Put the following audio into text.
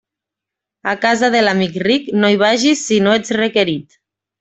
A casa de l'amic ric no hi vagis si no ets requerit.